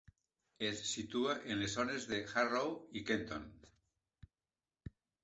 Es situa en les zones de Harrow i Kenton.